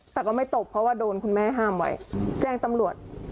แต่ก็ไม่ตบเพราะว่าโดนคุณแม่ห้ามไว้แจ้งตำรวจ